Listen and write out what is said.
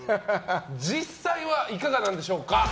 実際はいかがなんでしょうか。